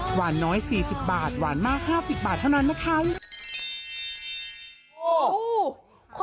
หวานน้อย๔๐บาทหวานมาก๕๐บาทเท่านั้นนะคะ